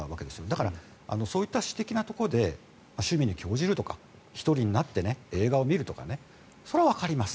だからそういった私的なところで趣味に興じるとか１人になって映画を見るとかそれはわかります。